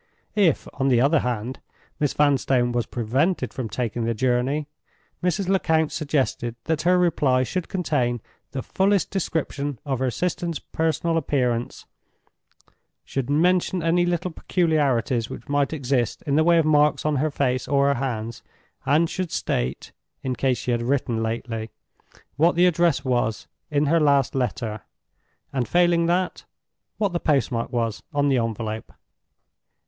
If, on the other hand, Miss Vanstone was prevented from taking the journey, Mrs. Lecount suggested that her reply should contain the fullest description of her sister's personal appearance—should mention any little peculiarities which might exist in the way of marks on her face or her hands—and should state (in case she had written lately) what the address was in her last letter, and failing that, what the post mark was on the envelope.